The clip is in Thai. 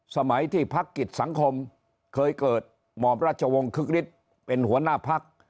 สมัยที่ภาคกิจสังคมเคยเกิดหมอบรัชวงศ์คฤกฤษเป็นหัวหน้าภักษ์